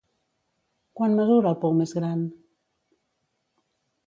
Quant mesura el pou més gran?